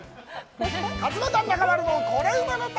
勝俣・中丸の「コレうまの旅」